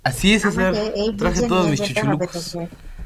আমাকে এই ব্রীজে নিয়ে যেতে হবে তোকে।